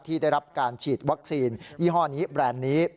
ที่ได้รับการฉีดวัคซีนยี่ห้อนี้แบรนด์นี้